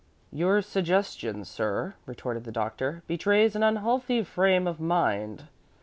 "Your suggestion, sir," retorted the Doctor, "betrays an unhealthy frame of mind."